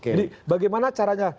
jadi bagaimana caranya